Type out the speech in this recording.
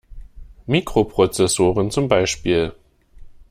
Mikroprozessoren zum Beispiel.